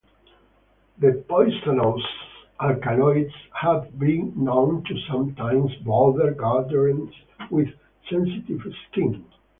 The poisonous alkaloids have been known to sometimes bother gardeners with sensitive skin.